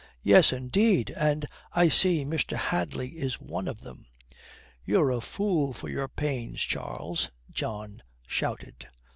"Yes, indeed, and I see Mr. Hadley is one of them." "You're a fool for your pains, Charles," John shouted.